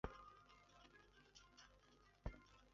里面有海瓜子